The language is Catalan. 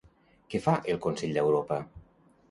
Què fa el Consell d'Europa?